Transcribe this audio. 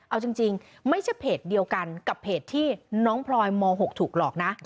เอาจริงไม่ใช่เพจเดียวกันกับเพจที่น้องพลอยม๖ถูกหลอกนะ